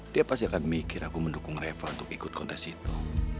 dia pasti akan mikir aku mendukung reva untuk ikut kontes itu